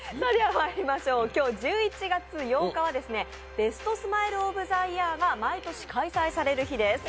今日１１月８日はベストスマイル・オブ・ザ・イヤーが毎年開催される日です。